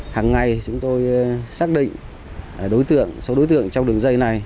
hằng ngày chúng tôi xác định số đối tượng trong đường dây này